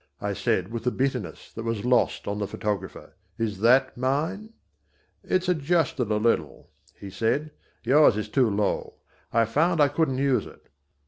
I said with a bitterness that was lost on the photographer; "is that mine?" "It's adjusted a little," he said, "yours is too low. I found I couldn't use it."